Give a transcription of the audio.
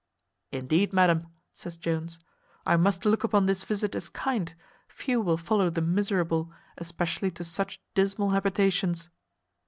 "Indeed, madam," says Jones, "I must look upon this visit as kind; few will follow the miserable, especially to such dismal habitations."